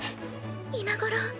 今頃。